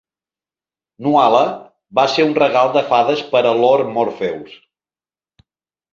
Nuala va ser un regal de fades per a Lord Morpheus.